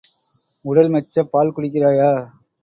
உடல் மெச்சப் பால் குடிக்கிறாயா?